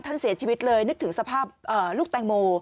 ท่านเสียชีวิตเลยนึกถึงสภาพลูกแตงโม